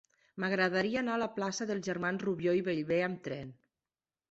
M'agradaria anar a la plaça dels Germans Rubió i Bellver amb tren.